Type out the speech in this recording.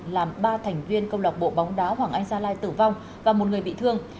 làm ba thành viên công lọc bộ bóng đá hoàng anh gia lai tử vong và một người bị thương